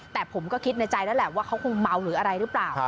แต่ผมก็คิดในใจแล้วแหละว่าเขาคงเมาหรืออะไรหรือเปล่า